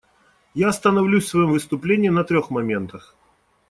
Я остановлюсь в своем выступлении на трех моментах.